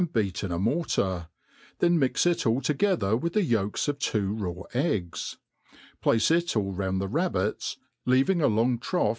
beift in a mortar, then mix it all together with the yolks of two raw eggs ; place i{ all round the rabbits, leaving a long trough